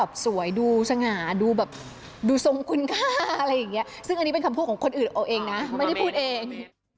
อะไรอย่างเงี้ยซึ่งอันนี้เป็นคำโพธิของคนอื่นเอาเองนะไม่ได้พูดเอง